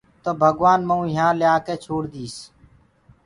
تو ڀگوآن مئوُ يهآنٚ ڪيآ ڪي ڇوڙ ديٚس۔